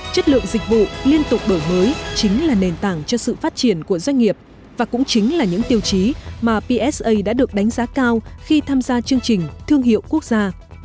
chất lượng dịch vụ liên tục đổi mới chính là nền tảng cho sự phát triển của doanh nghiệp và cũng chính là những tiêu chí mà psa đã được đánh giá cao khi tham gia chương trình thương hiệu quốc gia